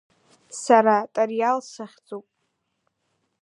Сара Тариал сыхьӡуп!